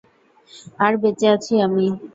আর বেঁচে আছি আমি।